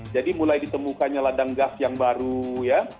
jadi mulai ditemukannya ladang gas yang baru ya